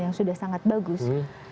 yang sudah sangat bagus